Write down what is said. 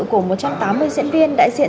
của một trăm tám mươi diễn viên đại diện